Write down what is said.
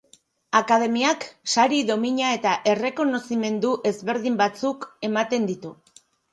Akademiak sari, domina eta errekonozimendu ezberdin batzuk ematen ditu.